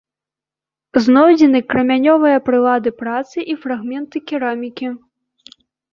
Знойдзены крамянёвыя прылады працы і фрагменты керамікі.